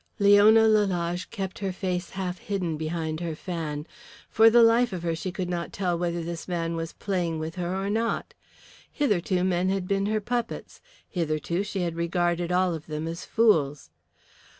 Leona Lalage kept her face half hidden behind her fan. For the life of her she could not tell whether this man was playing with her or not. Hitherto men had been her puppets, hitherto she had regarded all of them as fools.